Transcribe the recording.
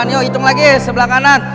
yuk hitung lagi sebelah kanan